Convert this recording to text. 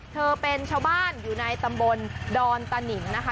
เธอเป็นชาวบ้านอยู่ในตำบลดอนตะนิงนะคะ